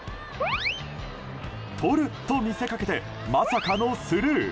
とると見せかけてまさかのスルー。